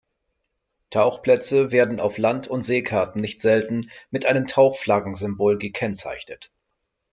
Tauchplätze werden auf Land- und Seekarten nicht selten mit einem Tauchflaggen-Symbol gekennzeichnet.